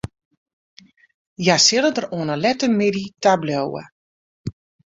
Hja sille der oan 'e lette middei ta bliuwe.